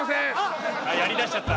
やりだしちゃった。